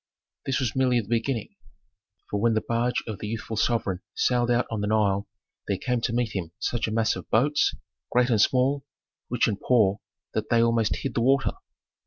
This was merely the beginning. For when the barge of the youthful sovereign sailed out on the Nile there came to meet him such a mass of boats, great and small, rich and poor, that they almost hid the water.